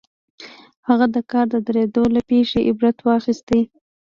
هغه د کار د درېدو له پېښې عبرت واخيست.